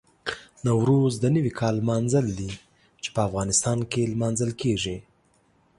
نوروز د نوي کال لمانځل دي چې په افغانستان کې لمانځل کېږي.